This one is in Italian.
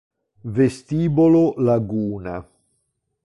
Vestibolo Laguna